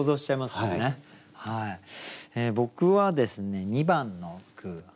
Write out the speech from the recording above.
僕はですね２番の句。